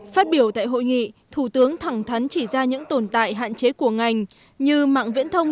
phát biểu tại hội nghị thủ tướng thẳng thắn chỉ ra những tồn tại hạn chế của ngành như mạng viễn thông